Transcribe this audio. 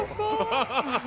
ハハハハハ。